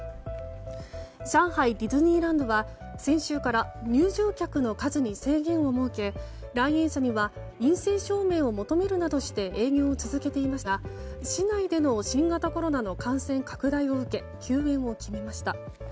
上海ディズニーランドは先週から入場客の数に制限を設けて来園者には陰性証明を求めるなどして営業を続けていましたが市内での新型コロナの感染拡大を受け休園を決めました。